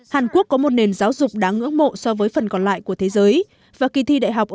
hàn quốc có một nền giáo dục đáng ngưỡng mộ so với phần còn lại của thế giới và kỳ thi đại học